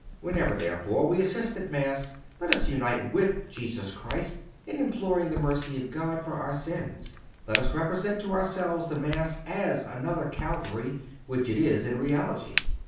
Whenever, therefore, we assist at Mass let us unite with Jesus Christ in imploring the mercy of God for our sins. Let us represent to ourselves the Mass as another Calvary, which it is in reality.